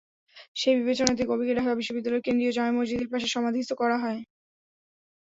সেই বিবেচনাতেই কবিকে ঢাকা বিশ্ববিদ্যালয়ের কেন্দ্রীয় জামে মসজিদের পাশে সমাধিস্থ করা হয়।